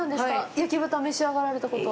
焼き豚、召し上がられたことは？